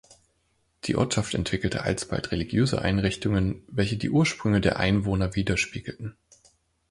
Die Ortschaft entwickelte alsbald religiöse Einrichtungen, welche die Ursprünge der Einwohner widerspiegelten.